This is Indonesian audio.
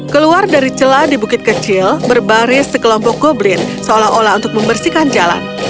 keluar dari celah di bukit kecil berbaris sekelompok goblin seolah olah untuk membersihkan jalan